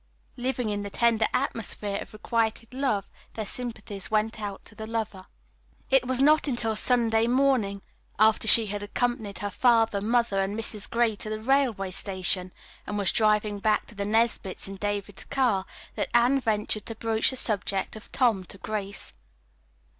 Living in the tender atmosphere of requited love, their sympathies went out to the lover. It was not until Sunday morning, after she had accompanied her father, mother and Mrs. Gray to the railway station and was driving back to the Nesbits' in David's car, that Anne ventured to broach the subject of Tom to Grace.